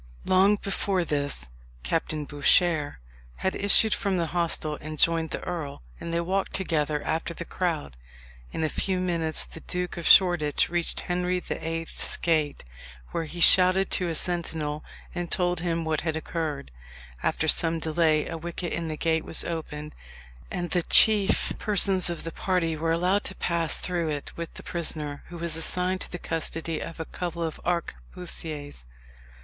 Long before this Captain Bouchier had issued from the hostel and joined the earl, and they walked together after the crowd. In a few minutes the Duke of Shoreditch reached Henry the Eighth's Gate, where he shouted to a sentinel, and told him what had occurred. After some delay a wicket in the gate was opened, and the chief persons of the party were allowed to pass through it with the prisoner, who was assigned to the custody of a couple of arquebusiers.